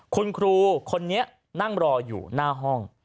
คุณครูคนนี้นั่งรออยู่หน้าห้อง